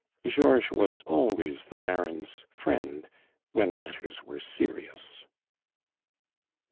Georges was always the Baron's friend when matters were serious.